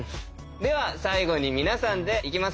では最後に皆さんでいきますよ。